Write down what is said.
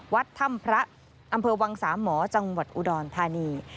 วัดถ้ำพระอำเภอวังสามหมอจังหวัดอุดรธานี